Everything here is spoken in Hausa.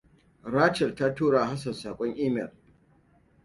Rachel ta turawa Hassan sakon email.